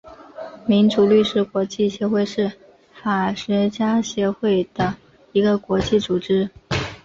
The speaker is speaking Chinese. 民主律师国际协会是法学家协会的一个国际组织。